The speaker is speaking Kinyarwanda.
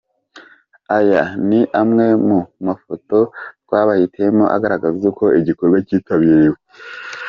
Aya ni amwe mu mafoto twabahitiyemo agaragaza uko igikorwa kitabiriwe:.